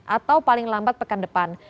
atau paling lambat pekan depan